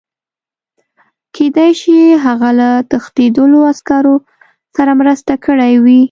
کېدای شي هغه له تښتېدلو عسکرو سره مرسته کړې وي